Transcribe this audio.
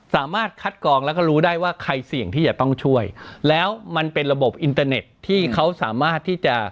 สามารถคัดกรองแล้วก็รู้ได้ว่าใครเสี่ยงที่จะต้องช่วยแล้วมันเป็นระบบอินเตอร์เน็ตที่เขาสามารถที่จะ